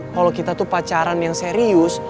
kalau kita tuh pacaran yang serius